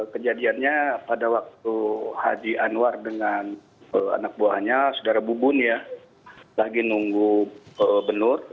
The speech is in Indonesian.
kejadiannya pada waktu haji anwar dengan anak buahnya saudara bubun ya lagi nunggu benur